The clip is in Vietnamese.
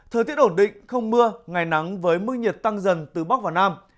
thời tiết ổn định không mưa ngày nắng với mức nhiệt tăng dần từ bắc vào nam